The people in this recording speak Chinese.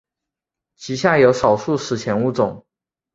其下有少数史前物种。